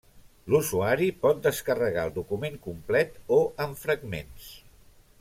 L'usuari pot descarregar el document complet o en fragments.